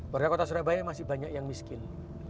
warga kota surabaya masih banyak yang miskin